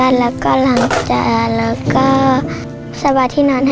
ดี